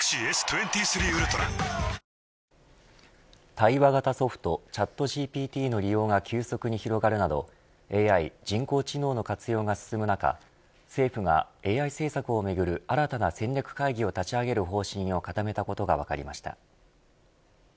対話型ソフトチャットＧＰＴの利用が急速に広がるなどＡＩ人工知能の活用が進む中政府がＡＩ政策をめぐる新たなＡＩ戦略会議を立ち上げる方針を固めたことが分かりました。